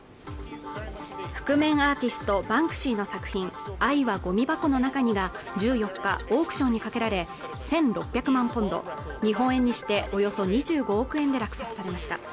覆面アーティストバンクシーの作品愛はごみ箱の中にが１４日オークションにかけられ１６００万ポンド日本円にしておよそ２５億円で落札されました